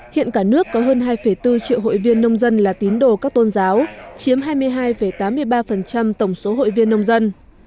hiện cả nước có hơn hai bốn triệu hội viên nông dân là tín đồ các tôn giáo chiếm hai mươi hai tám mươi ba tổng số hội viên nông dân